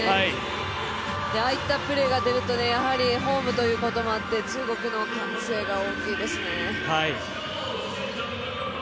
ああいったプレーが出ると、ホームということもあって中国の歓声が大きいですね。